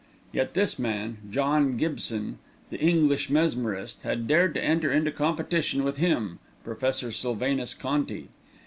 Yet this man, John Gibson, "the English Mesmerist," had dared to enter into competition with him, Professor Sylvanus Conti.